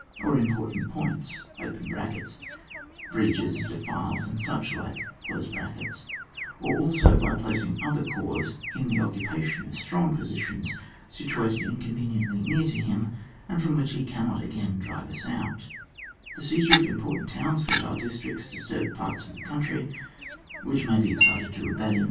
or important points (bridges, deflles, and such like,) or also by placing other corps in the occupation of strong positions situated inconveniently near to him and from which he cannot again drive us out; the seizure of important towns, fertile districts, disturbed parts of the coun try, which may be excited to rebellion.